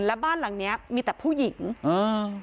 และบ้านหลังเนี้ยมีแต่ผู้หญิงอ่า